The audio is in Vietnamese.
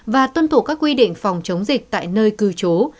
và tuân thủ các quy định phòng chống dịch tại nơi cư trú